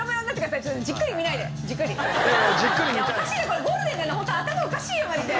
これゴールデンなのにホント頭おかしいよマジで。